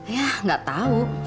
yah gak tau